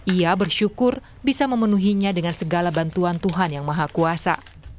ia bersyukur bisa memenuhinya dengan segala bantuan tuhan yang maha kuasa